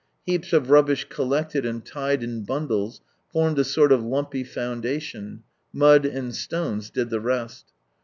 Heaps of rubbish collected and tied in bundles, formed a sort of lumpy foundation, mud and stones did the rest.